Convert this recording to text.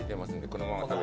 このままで。